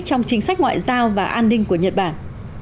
trong chính sách ngoại giao và an ninh của nhật bản